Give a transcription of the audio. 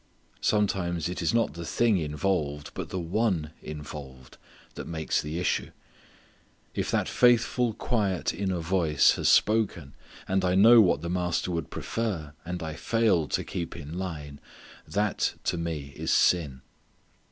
Sometimes it is not the thing involved but the One involved that makes the issue. If that faithful quiet inner voice has spoken and I know what the Master would prefer and I fail to keep in line, that to me is sin.